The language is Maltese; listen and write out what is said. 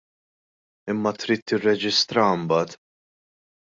Imma trid tirreġistraha imbagħad.